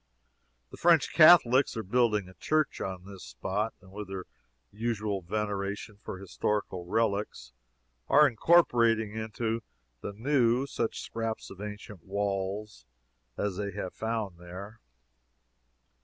The French Catholics are building a church on this spot, and with their usual veneration for historical relics, are incorporating into the new such scraps of ancient walls as they have found there.